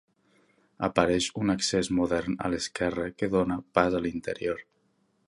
Apareix un accés modern a l'esquerra que dóna pas a l'interior.